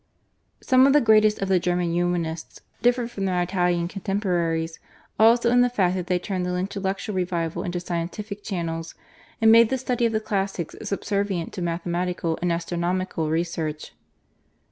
Some of the greatest of the German Humanists differed from their Italian contemporaries also in the fact that they turned the intellectual revival into scientific channels, and made the study of the classics subservient to mathematical and astronomical research.